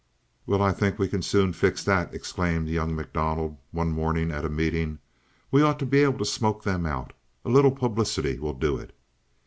"Well, I think we can soon fix that," exclaimed young MacDonald, one morning at a meeting. "We ought to be able to smoke them out. A little publicity will do it."